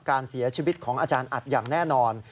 การเสียชีวิตของอาจารย์อัดอย่างแน่นอน